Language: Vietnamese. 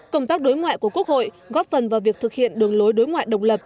công tác đối ngoại của quốc hội góp phần vào việc thực hiện đường lối đối ngoại độc lập